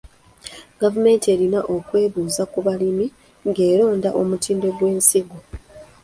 Gavumenti erina okwebuuza ku balimi ng'eronda omutindo gw'ensigo.